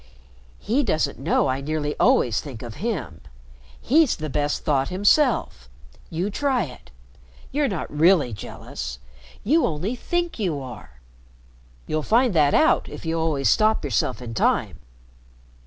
He doesn't know I nearly always think of him. He's the best thought himself. You try it. You're not really jealous. You only think you are. You'll find that out if you always stop yourself in time.